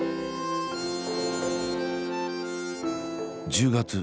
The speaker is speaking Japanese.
１０月。